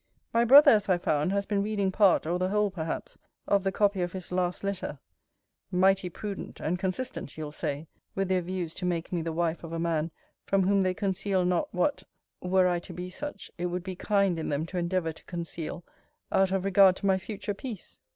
My brother, as I found, has been reading part, or the whole perhaps, of the copy of his last letter Mighty prudent, and consistent, you'll say, with their views to make me the wife of a man from whom they conceal not what, were I to be such, it would be kind in them to endeavour to conceal, out of regard to my future peace!